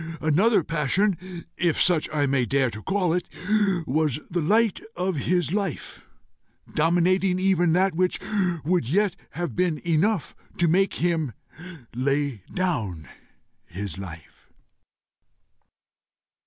Another passion, if such I may dare to call it, was the light of his life, dominating even that which would yet have been enough to make him lay down his life."